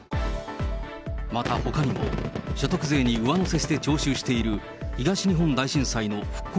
また、ほかにも所得税に上乗せして徴収している東日本大震災の復興